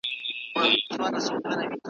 ـ بیخي عادي یم